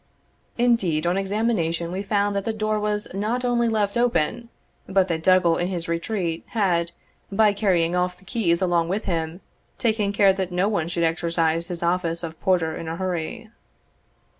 Indeed, on examination, we found that the door was not only left open, but that Dougal in his retreat had, by carrying off the keys along with him, taken care that no one should exercise his office of porter in a hurry.